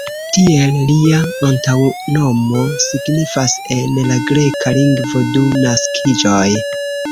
Tiel lia antaŭnomo signifas en la greka lingvo "du naskiĝoj".